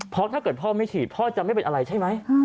เพราะถ้าเกิดพ่อไม่ฉีดพ่อจะไม่เป็นอะไรใช่ไหม